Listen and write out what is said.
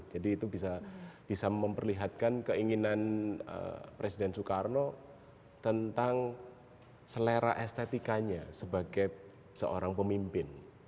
jadi itu bisa memperlihatkan keinginan presiden soekarno tentang selera estetikanya sebagai seorang pemimpin